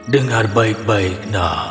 dengar baik baik nak